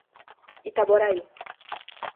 Itaboraí